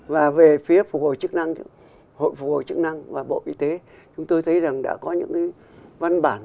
và về phía phục hồi chức năng hội phục hồi chức năng và bộ y tế chúng tôi thấy rằng đã có những văn bản